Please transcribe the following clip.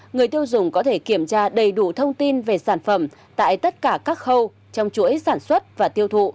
người tiêu dùng có thể kiểm tra đầy đủ thông tin về sản phẩm tại tất cả các khâu trong chuỗi sản xuất và tiêu thụ